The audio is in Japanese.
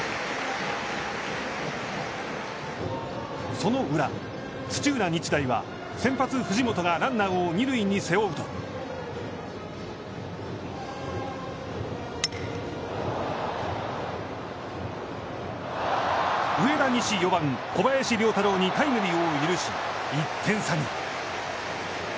その裏、土浦日大は先発藤本がランナーを二塁に背負うと上田西４番、小林遼太郎にタイムリーを許し、１点差に。